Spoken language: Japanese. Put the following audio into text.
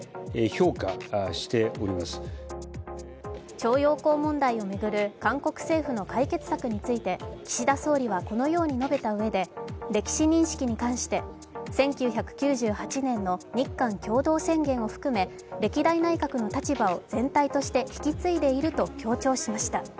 徴用工問題を巡る韓国政府の解決策について岸田総理はこのように述べたうえで歴史認識に関して１９９８年の日韓共同宣言を含め歴代内閣の立場を全体として引き継いでいると強調しました。